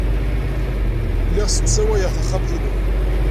Lliɣ ssemsawayeɣ taxxamt-inu.